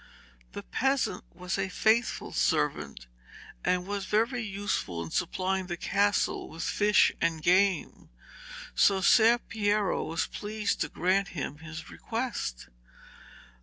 The peasant was a faithful servant, and very useful in supplying the castle with fish and game, so Ser Piero was pleased to grant him his request.